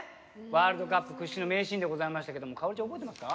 ワールドカップ屈指の名シーンでございましたけどもかおりちゃん覚えてますか？